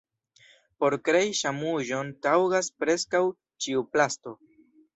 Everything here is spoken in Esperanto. Por krei ŝaumaĵon taŭgas preskaŭ ĉiu plasto.